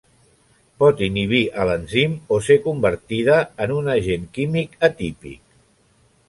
Pot inhibir a l'enzim o ser convertida en un agent químic atípic.